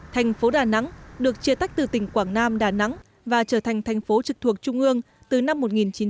thành phố đà nẵng được chia tách từ tỉnh quảng nam đà nẵng và trở thành thành phố trực thuộc trung ương từ năm một nghìn chín trăm chín mươi